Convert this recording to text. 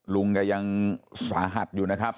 ลุงแกยังสาหัสอยู่นะครับ